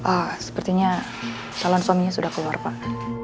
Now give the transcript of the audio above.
ah sepertinya calon suaminya sudah keluar pak